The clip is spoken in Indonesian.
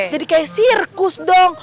jadi kayak sirkus dong